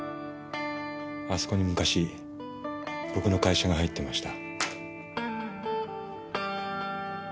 あそこに昔僕の会社が入っていました。